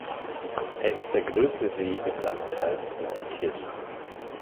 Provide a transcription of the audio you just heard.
Er ist der größte See im Landkreis Neunkirchen.